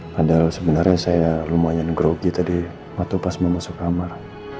padahal sebenarnya saya lumayan grogi tadi waktu pas mau masuk kamar